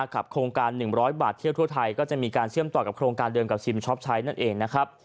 โครงการ๑๐๐บาทเที่ยวทั่วไทยก็จะมีการเชื่อมต่อกับโครงการเดิมกับชิมช็อปใช้นั่นเองนะครับ